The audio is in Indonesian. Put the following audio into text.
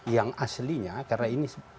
yang aslinya karena ini